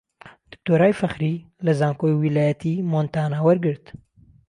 دکتۆرای فەخری لە زانکۆی ویلایەتی مۆنتانا وەرگرت